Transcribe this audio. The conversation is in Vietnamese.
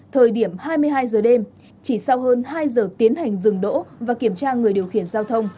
thời điểm hai mươi hai giờ đêm chỉ sau hơn hai giờ tiến hành dừng đỗ và kiểm tra người điều khiển giao thông